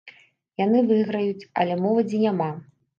Яны выйграюць, але моладзі няма.